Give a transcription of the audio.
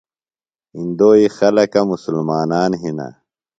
اندوئی خلکہ مُسلمانان ہِنہ۔